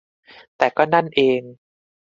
แต่ก็นั่นเอง